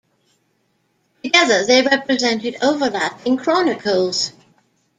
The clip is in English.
Together they represented overlapping chronicles.